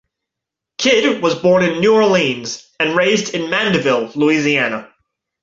Kidd was born in New Orleans and raised in Mandeville, Louisiana.